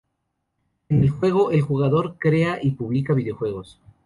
En el juego, el jugador crea y publica videojuegos.